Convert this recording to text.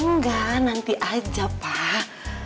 enggak nanti aja pak